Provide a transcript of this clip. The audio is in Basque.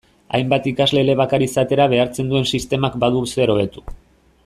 Hainbat ikasle elebakar izatera behartzen duen sistemak badu zer hobetu.